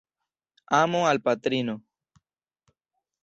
Amo al patrino.